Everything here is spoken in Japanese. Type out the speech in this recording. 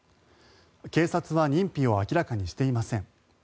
警察は認否を明らかにしていません。